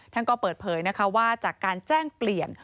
ท่านก็เปิดเผยนะคะว่าจากการแจ้งเปลี่ยน